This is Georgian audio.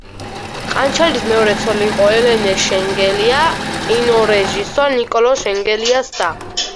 ყანჩელის მეორე ცოლი იყო ელენე შენგელაია, კინორეჟისორ ნიკოლოზ შენგელაიას და.